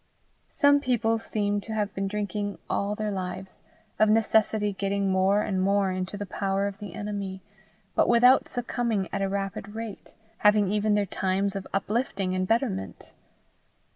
Some people seem to have been drinking all their lives, of necessity getting more and more into the power of the enemy, but without succumbing at a rapid rate, having even their times of uplifting and betterment.